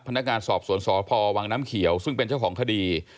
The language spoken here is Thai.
พนักงานสอบสวนสพวังน้ำเขียวซึ่งเป็นเจ้าของคดี